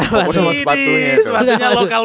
fokus sama sepatunya gitu loh